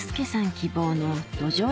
希望のどじょう